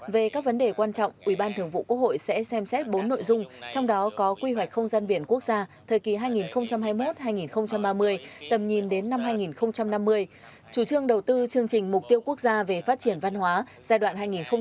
về các vấn đề quan trọng ủy ban thường vụ quốc hội sẽ xem xét bốn nội dung trong đó có quy hoạch không gian biển quốc gia thời kỳ hai nghìn hai mươi một hai nghìn ba mươi tầm nhìn đến năm hai nghìn năm mươi chủ trương đầu tư chương trình mục tiêu quốc gia về phát triển văn hóa giai đoạn hai nghìn hai mươi một hai nghìn ba mươi